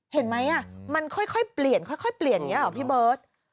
เห็นไหมอ่ะมันค่อยค่อยเปลี่ยนค่อยค่อยเปลี่ยนอย่างเงี้ยเหรอพี่เบิร์ต